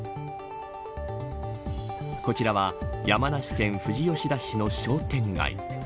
こちらは山梨県富士吉田市の商店街。